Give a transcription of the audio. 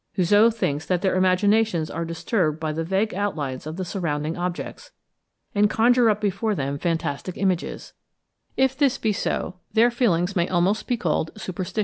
Houzeau thinks that their imaginations are disturbed by the vague outlines of the surrounding objects, and conjure up before them fantastic images: if this be so, their feelings may almost be called superstitious.